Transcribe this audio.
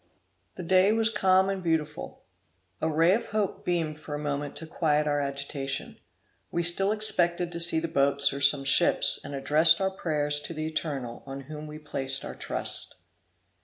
The day was calm and beautiful. A ray of hope beamed for a moment to quiet our agitation. We still expected to see the boats or some ships, and addressed our prayers to the Eternal, on whom we placed our trust.